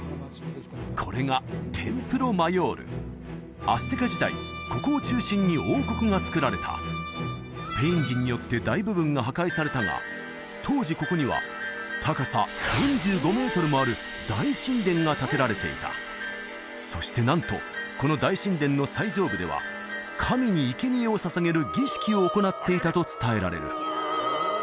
これがテンプロ・マヨールアステカ時代ここを中心に王国がつくられたスペイン人によって大部分が破壊されたが当時ここには高さ４５メートルもある大神殿が建てられていたそしてなんとこの大神殿の最上部では神に生贄を捧げる儀式を行っていたと伝えられる